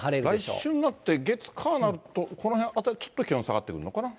来週になって、月、火になると、この辺あたりちょっと気温下がってくるのかな。